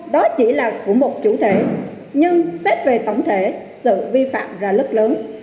đó chỉ là của một chủ thể nhưng xét về tổng thể sự vi phạm là rất lớn